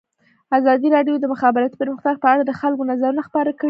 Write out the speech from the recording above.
ازادي راډیو د د مخابراتو پرمختګ په اړه د خلکو نظرونه خپاره کړي.